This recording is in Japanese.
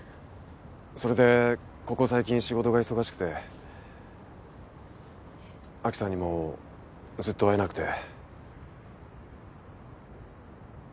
それでここ最近仕事が忙しくて亜紀さんにもずっと会えなくて。